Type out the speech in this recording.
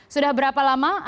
sudah berapa lama